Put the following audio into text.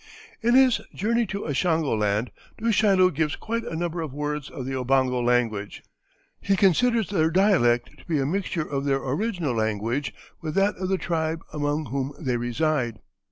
In his "Journey to Ashango Land" Du Chaillu gives quite a number of words of the Obongo language; he considers their dialect to be a mixture of their original language with that of the tribe among whom they reside.